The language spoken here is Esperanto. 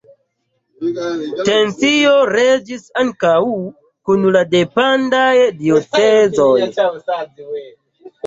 Tensioj regis ankaŭ kun la dependaj diocezoj.